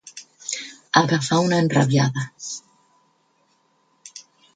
Agafar una enrabiada.